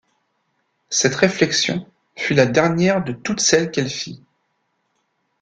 Cette réflexion fut la dernière de toutes celles qu’elle fit.